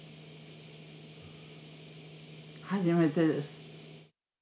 初めてです。